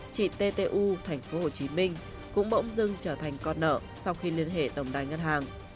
chị ttu tp hcm cũng bỗng dưng trở thành con nợ sau khi liên hệ tổng đài ngân hàng